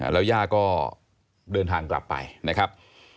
แล้วย่าก็เดินทางกลับไปนะครับ